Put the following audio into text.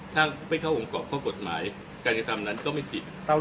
ถ้าไม่เข้าองค์กรอบข้อกฎหมายการกระทำนั้นก็ไม่ผิด